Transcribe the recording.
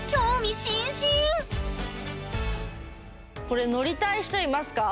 これ乗りたい人いますか？